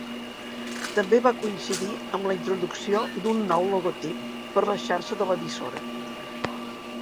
També va coincidir amb la introducció d'un nou logotip per la xarxa de l'emissora.